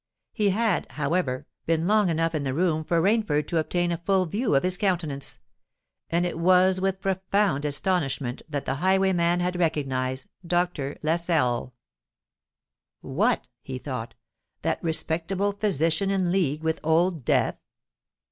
He had, however, been long enough in the room for Rainford to obtain a full view of his countenance; and it was with profound astonishment that the highwayman had recognised Dr. Lascelles! "What!" he thought: "that respectable physician in league with Old Death?"